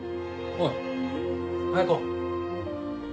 おい綾子。